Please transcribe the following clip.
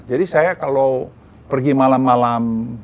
jadi saya kalau pergi malam malam